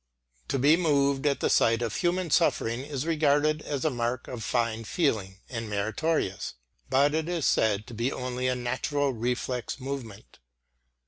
To be moved at the sight of human suffering is regarded as a mark of fine feeling and meritorious, but it is said to be only a natural reflex movement.